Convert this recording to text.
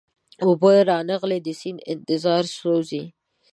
اوبه را نغلې د سیند انتظار سوزی